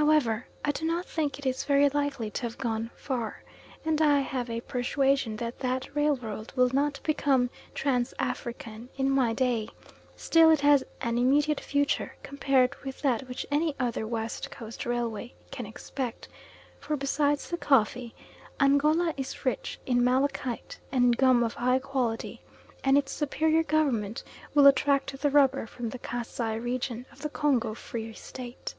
However, I do not think it is very likely to have gone far, and I have a persuasion that that railroad will not become trans African in my day; still it has an "immediate future" compared with that which any other West Coast railway can expect; for besides the coffee, Angola is rich in malachite and gum of high quality, and its superior government will attract the rubber from the Kassai region of the Congo Free State.